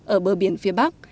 ở bờ biển phía bắc